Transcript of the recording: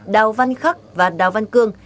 đào văn khắc và đào văn cương